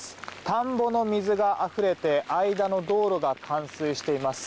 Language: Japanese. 田んぼの水があふれて間の道路が冠水しています。